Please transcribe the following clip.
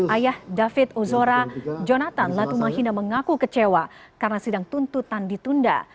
ayah david ozora jonathan latumahina mengaku kecewa karena sidang tuntutan ditunda